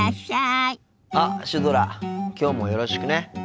あっシュドラきょうもよろしくね。